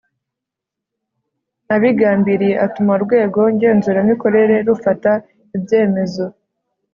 abigambiriye atuma urwego ngenzuramikorere rufata ibyemezo .